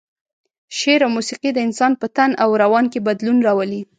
شعر او موسيقي د انسان په تن او روان کې بدلون راولي.